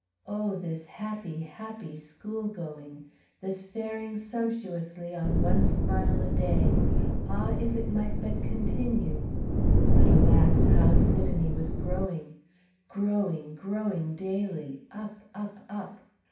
Oh! this happy, happy school going, this faring sumptuously on one smile a day! Ah, if it might but continue! But alas! how Sidonie was growing! Growing, growing daily! up, up, up!